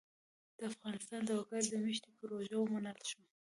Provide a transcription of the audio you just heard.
د افغانستان د وګړ مېشتۍ پروژه ومنل شوه.